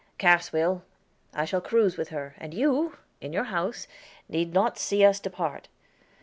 "Cass will. I shall cruise with her, and you, in your house, need not see us depart.